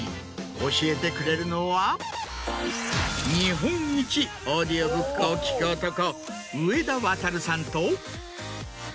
教えてくれるのは日本一オーディオブックを聴く男。